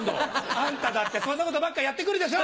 あんただってそんなことばっかやってくるでしょ！